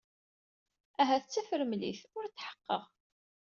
Ahat d tafremlit. Ur tḥeqqeɣ.